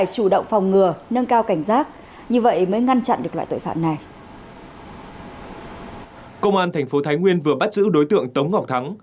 công an thái nguyên vừa bắt giữ đối tượng tống ngọc thắng